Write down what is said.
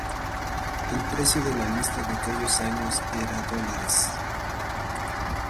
El precio de lista en aquellos años era Us.